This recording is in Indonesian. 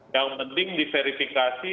yang penting diverifikasi